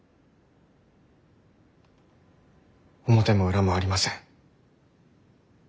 表も裏もありません。